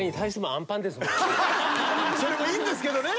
それもいいんですけどね。